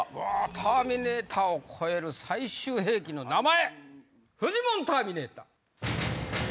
ターミネーターを超える最終兵器の名前！